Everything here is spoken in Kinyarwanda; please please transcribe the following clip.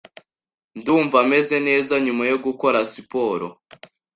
Ndumva meze neza nyuma yo gukora siporo.